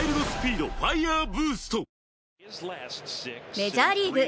メジャーリーグ。